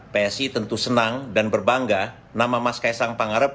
psi tentu senang dan berbangga nama mas kaisang pangarep